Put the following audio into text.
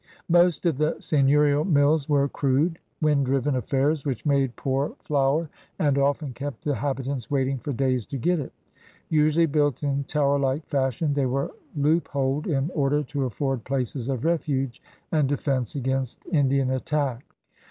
Most of the seigneurial mills were crude, wind driven affairs which made poor flour 150 CRUSADERS OF NEW FRANCE and often kept the habitants waiting for days to get it. Usually built in tower like fashion, they were loopholed in order to afford places of refuge and defense against Indian attack.